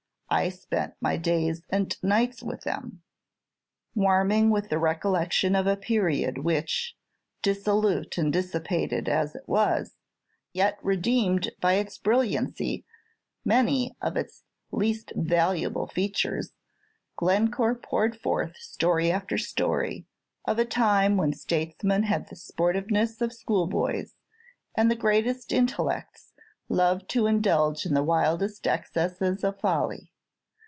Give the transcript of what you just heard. I spent my days and nights with them." Warming with the recollection of a period which, dissolute and dissipated as it was, yet redeemed by its brilliancy many of its least valuable features, Glencore poured forth story after story of a time when statesmen had the sportive ness of schoolboys, and the greatest intellects loved to indulge in the wildest excesses of folly.